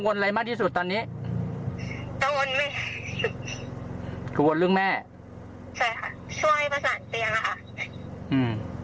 เพราะผมจะดูว่าแม่ไม่ไหวหรือเปล่าตอนนี้